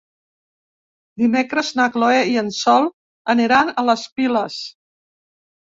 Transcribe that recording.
Dimecres na Chloé i en Sol aniran a les Piles.